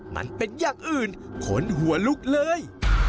มันเป็นอย่างอื่นขนหัวลุกเลย